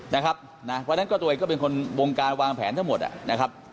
เพราะฉะนั้นก็ตัวเองก็เป็นคนวงการวางแผนทั้งหมดนะครับ